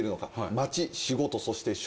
街仕事そして職。